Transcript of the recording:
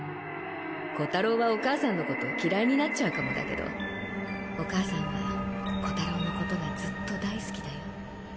弧太郎はお母さんのこと嫌いになっちゃうかもだけどお母さんは弧太郎のことがずっと大好きだよ。